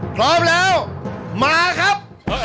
พร้อมแล้วมาครับ